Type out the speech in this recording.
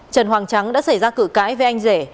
trần hoàng trắng đã xảy ra cự cãi với anh rể